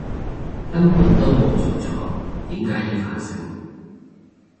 根本都冇做錯，點解要反省！